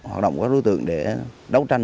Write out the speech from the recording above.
hoạt động các đối tượng để đấu tranh